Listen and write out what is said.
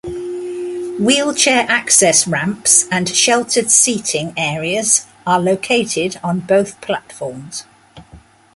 Wheelchair access ramps and sheltered seating areas are located on both platforms.